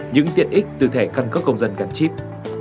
những tiện ích từ thẻ căn cước công dân gắn chip